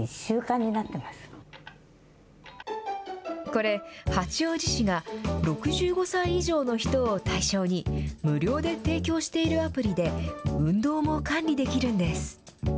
これ、八王子市が６５歳以上の人を対象に、無料で提供しているアプリで、運動も管理できるんです。